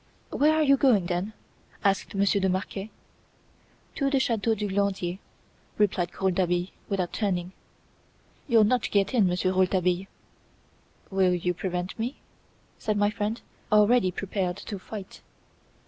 "Where are you going, then?" asked Monsieur de Marquet. "To the Chateau du Glandier," replied Rouletabille, without turning. "You'll not get in, Monsieur Rouletabille!" "Will you prevent me?" said my friend, already prepared to fight.